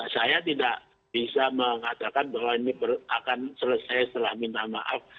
saya tidak bisa mengatakan bahwa ini akan selesai setelah minta maaf